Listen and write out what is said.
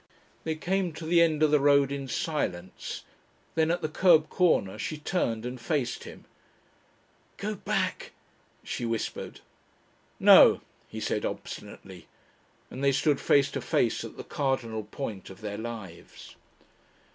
They came to the end of the road in silence. Then at the kerb corner she turned and faced him. "Go back," she whispered. "No," he said obstinately, and they stood face to face at the cardinal point of their lives.